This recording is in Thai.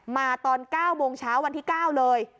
มาตอน๙โมงเช้าวันที่๙เลย